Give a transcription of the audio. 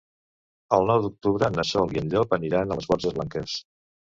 El nou d'octubre na Sol i en Llop aniran a les Borges Blanques.